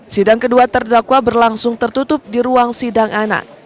sidang kedua terdakwa berlangsung tertutup di ruang sidang anak